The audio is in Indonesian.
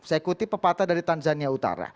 saya kutip pepatah dari tanzania utara